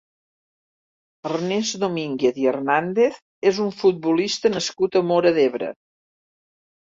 Ernest Domínguez i Hernàndez és un futbolista nascut a Móra d'Ebre.